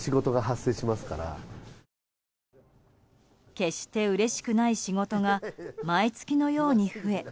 決してうれしくない仕事が毎月のように増え